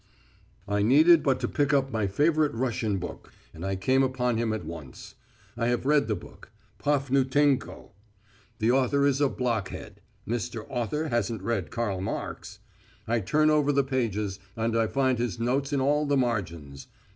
I needed but to pick up my favourite Russian book, and I came upon him at once. "I have read this book. PAFNUTENKO." "The author is a blockhead." "Mr. Author hasn't read Karl Marx." I turn over the pages, and I find his notes in all the margins.